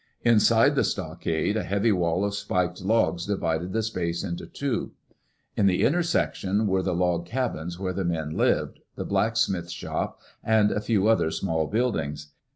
Inside the stockade, a heavy wall of spiked logs divided the space into two. In the inner section were the log cabins where the men lived, the blacksmith's shop, and a few other small buildings.